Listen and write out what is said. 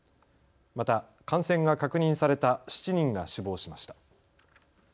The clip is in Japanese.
また感染が確認された７人が死亡しました。